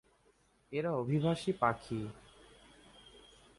এরা অভিবাসী পাখি।